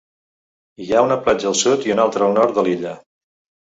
Hi ha una platja al sud i una altra al nord de l'illa.